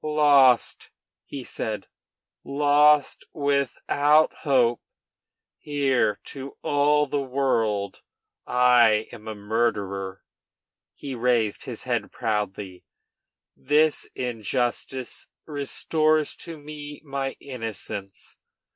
"Lost!" he said, "lost, without hope! Here, to all the world, I am a murderer." He raised his head proudly. "This injustice restores to me my innocence.